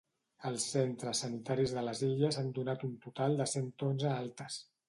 Els centres sanitaris de les Illes han donat un total de cent onze altes.